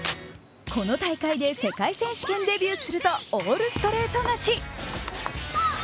この大会で世界選手権デビューすると、オールストレート勝ち。